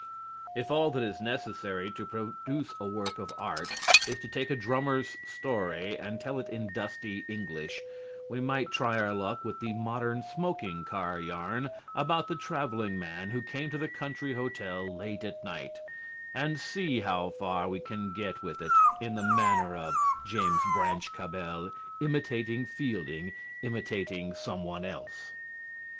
If all that is necessary to produce a work of art is to take a drummer's story and tell it in dusty English, we might try our luck with the modern smoking car yarn about the traveling man who came to the country hotel late at night, and see how far we can get with it in the manner of James Branch Cabell imitating Fielding imitating someone else.